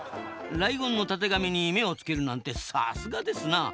ライオンのたてがみに目をつけるなんてさすがですな！